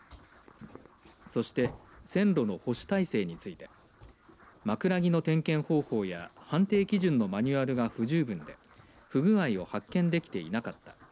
そして、線路の保守体制について枕木の点検方法や判定基準のマニュアルが不十分で不具合を発見できていなかった。